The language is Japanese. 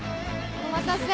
お待たせ。